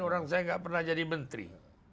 orang saya nggak pernah jadi menteri